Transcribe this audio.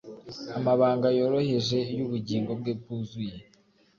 amabanga yoroheje yubugingo bwe bwuzuye